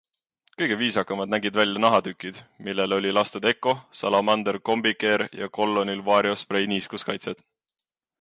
Kõige viisakamad nägid välja nahatükid, millele oli lastud Ecco, Salamander Combi Care ja Collonil Vario Spray niiskuskaitset.